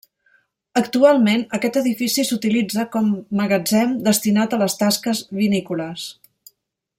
Actualment, aquest edifici s'utilitza com magatzem destinat a les tasques vinícoles.